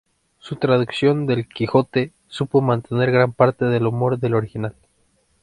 Su traducción del "Quijote" supo mantener gran parte del humor del original.